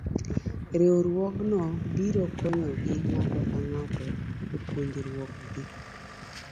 Riwruogno biro konyogi ng'ato ka ng'ato e puonjruok gi.